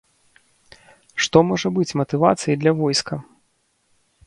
Што можа быць матывацыяй для войска?